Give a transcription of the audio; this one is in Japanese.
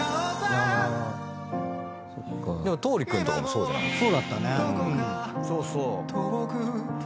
でも桃李君とかもそうじゃないですか。